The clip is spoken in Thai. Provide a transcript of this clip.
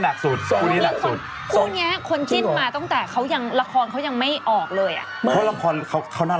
นั้นลอยหน่อยอยากกินเอง